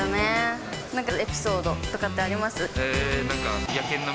なんかエピソードとかってあ野犬の